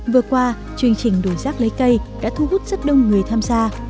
vừa qua chương trình đổi rác lấy cây đã thu hút rất đông người tham gia